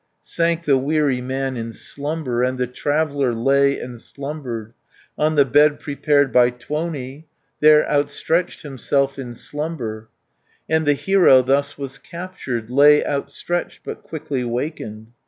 Sank the weary man in slumber, And the traveller lay and slumbered, 330 On the bed prepared by Tuoni, There outstretched himself in slumber, And the hero thus was captured, Lay outstretched, but quickly wakened.